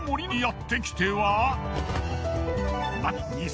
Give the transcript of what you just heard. あっ！